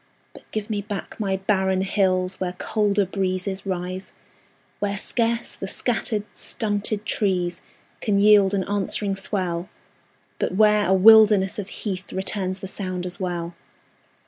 But give me back my barren hills Where colder breezes rise; Where scarce the scattered, stunted trees Can yield an answering swell, But where a wilderness of heath Returns the sound as well.